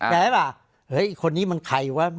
แต่ว่าเฮ้ยอีกคนนี้มันใครวะ